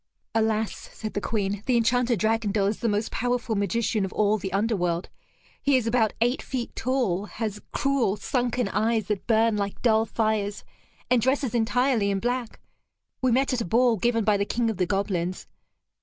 "Alas," said the Queen, "the Enchanter Dragondel is the most powerful magician of all the underworld. He is about eight feet tall, has cruel sunken eyes that burn like dull fires, and dresses entirely in black. We met at a ball given by the King of the Goblins.